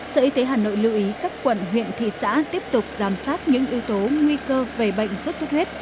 sở y tế hà nội lưu ý các quận huyện thị xã tiếp tục giám sát những yếu tố nguy cơ về bệnh xuất xuất huyết